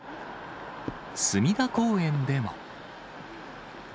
隅田公園でも。